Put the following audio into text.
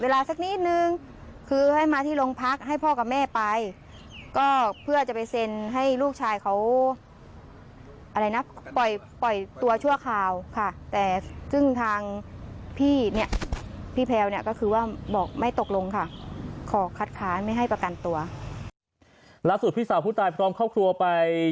ลักษุพี่สาวผู้ตายพร้อมเข้าครัวไป